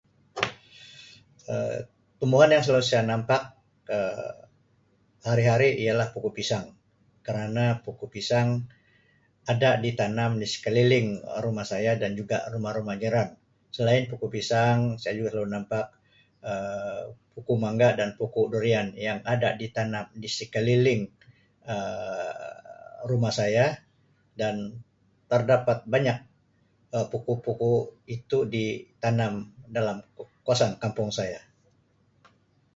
Um Tumbuhan yang selalu saya nampak Um hari-hari ialah pokok pisang kerana pokok pisang ada ditanam di sekeliling rumah saya dan juga Um rumah-rumah jiran selain pokok pisang saya juga selalu nampak Um pokok mangga dan pokok durian yang ada di tanam di sekeliling Um rumah saya dan terdapat banyak Um pokok-pokok itu di tanam dalam ku- kuasan kampung saya.